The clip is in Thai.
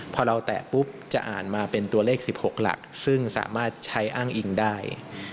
พอเราแตะปุ๊บจะอ่านมาเป็นตัวเลข๑๖หลักซึ่งสามารถใช้อ้างอิงได้